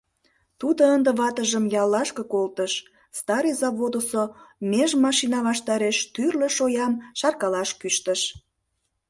Тудо ынде ватыжым яллашке колтыш, Старый Заводысо меж машина ваштареш тӱрлӧ шоям шаркалаш кӱштыш.